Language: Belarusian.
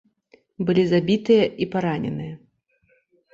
Былі забітыя і параненыя.